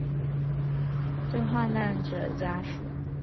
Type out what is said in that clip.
对罹难者家属